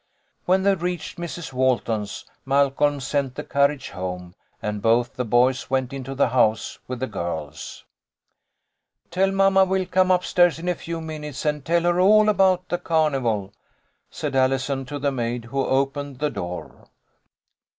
When they reached Mrs. Walton's, Malcolm sent the carriage home, and both the boys went into the house with the girls. THE LITTLE COLONELS HOLIDAYS. " Tell mamma we'll come up stairs in a few minutes and tell her all about the carnival," said Allison to the maid who opened the door.